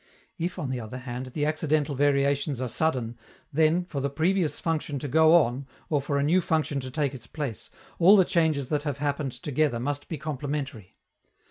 If, on the other hand, the accidental variations are sudden, then, for the previous function to go on or for a new function to take its place, all the changes that have happened together must be complementary.